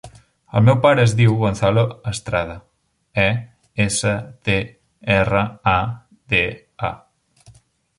El meu pare es diu Gonzalo Estrada: e, essa, te, erra, a, de, a.